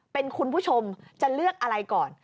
เป็นคุณผู้ชมจะเลือกอะไรก่อน